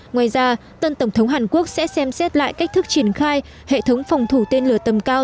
ngoài ra tân tổng thống hàn quốc sẽ xem xét lại cách thức triển khai hệ thống phòng thủ tên lửa tầm cao